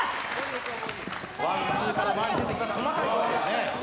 ワンツーから前に出てきた細かい動きですね